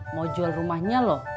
mau jual rumahnya loh